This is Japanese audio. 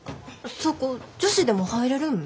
そこ女子でも入れるん？